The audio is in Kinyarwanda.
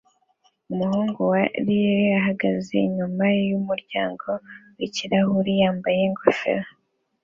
Umuhungu wa Lille ahagaze inyuma yumuryango wikirahure yambaye ingofero